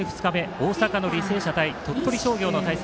大阪の履正社対鳥取商業の対戦。